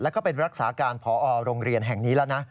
แล้วก็เป็นรักษาการพอโรงเรียนแห่งนี้แล้วนะ